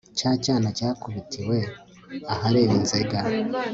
cya cyana cyakubitiwe ahareba inzega